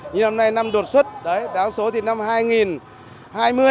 như năm nay là năm đột xuất đáng số thì năm hai nghìn hai mươi thì mới mở